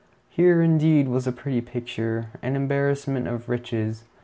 Here, indeed, was a pretty picture, an embarrassment of riches.